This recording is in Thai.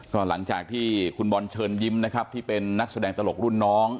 ก็หลังจากที่คุณบอลเชิญยิ้มนะครับที่เป็นนักแสดงตลกรุ่นน้อง